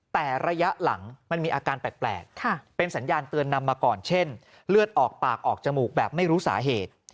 แต่ระยะหลังมันมีอาการแปลกเป็นสัญญาณเตือนนำมาก่อนเช่นเลือดออกปากออกจมูกแบบไม่รู้สาเหตุ